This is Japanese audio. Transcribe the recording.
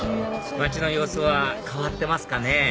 街の様子は変わってますかね